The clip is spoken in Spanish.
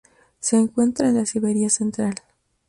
Se encuentra en la Siberia central.